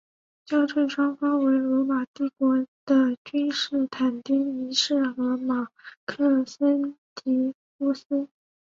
交战双方为罗马帝国的君士坦丁一世和马克森提乌斯。